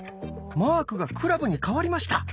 マークがクラブに変わりました。